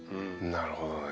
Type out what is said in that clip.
なるほどね。